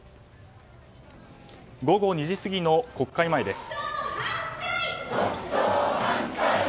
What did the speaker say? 午後２時過ぎの国会前です。